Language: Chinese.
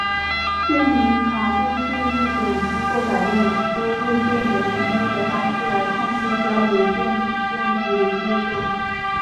变频传动是一种通过改变输入电源频率的方式来控制交流电动机的技术。